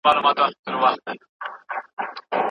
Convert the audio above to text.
لمن له کاڼو ډکه وړي اسمان په باور نه دی